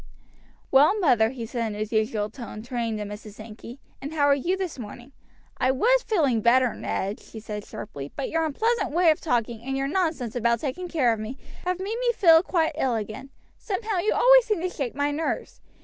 "Well, mother," he said in his usual tone, turning to Mrs. Sankey, "and how are you this morning?" "I was feeling better, Ned," she said sharply; "but your unpleasant way of talking, and your nonsense about taking care of me, have made me feel quite ill again. Somehow you always seem to shake my nerves.